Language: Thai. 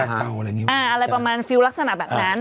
อ่าอะไรประมาณฟิวลักษณะแบบนั้น